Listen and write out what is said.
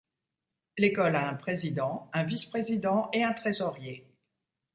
L'École a un président, un vice-président et un trésorier.